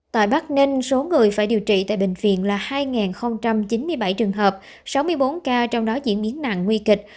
tại bắc ninh số người phải điều trị tại bệnh viện là hai chín mươi bảy trường hợp sáu mươi bốn ca trong đó diễn biến nặng nguy kịch